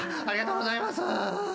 ありがとうございます。